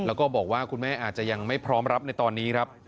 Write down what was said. แล้วก็บอกว่าคุณแม่อาจจะยังไม่พร้อมรับในตอนนี้ครับ